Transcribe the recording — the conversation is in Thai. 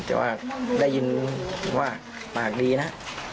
แต่ว่าได้ยินว่าปากดีนะ